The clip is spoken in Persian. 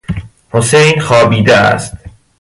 حسین خوابیده است.